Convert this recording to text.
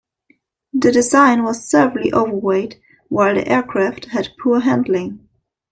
The design was severely overweight, while the aircraft had poor handling.